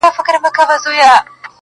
که بارونه په پسونو سي څوک وړلای!.